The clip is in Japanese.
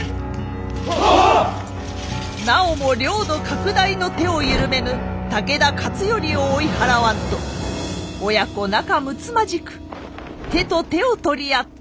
なおも領土拡大の手を緩めぬ武田勝頼を追い払わんと親子仲むつまじく手と手を取り合っておりました。